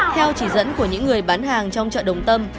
theo chỉ dẫn của những người bán hàng trong chợ đồng tâm